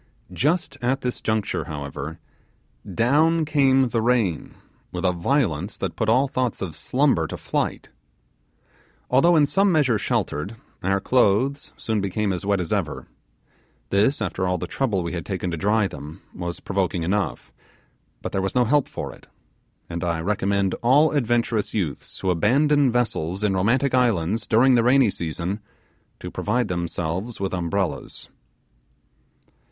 Just at this juncture, however, down came the rain with the violence that put all thoughts of slumber to flight. Although in some measure sheltered, our clothes soon became as wet as ever; this, after all the trouble we had taken to dry them, was provoking enough: but there was no help for it; and I recommend all adventurous youths who abandon vessels in romantic islands during the rainy season to provide themselves with umbrellas.